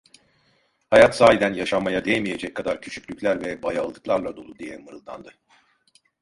"Hayat sahiden yaşanmaya değmeyecek kadar küçüklükler ve bayağılıklarla dolu!" diye mırıldandı.